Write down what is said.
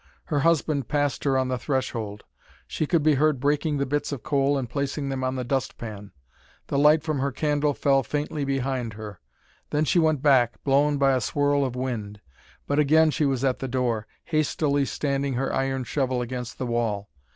Her husband passed her on the threshold. She could be heard breaking the bits of coal and placing them on the dustpan. The light from her candle fell faintly behind her. Then she went back, blown by a swirl of wind. But again she was at the door, hastily standing her iron shovel against the wall.